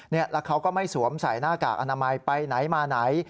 แล้วเขาก็ไม่สวมใส่หน้ากากอนามัยไปไหนมาไหน